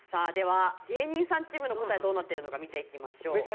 では芸人さんチームの答えどうなってるのか見ていきましょう。